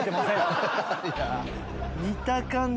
見た感じ